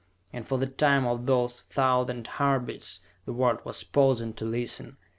And for the time of those thousand heartbeats, the world was pausing to listen.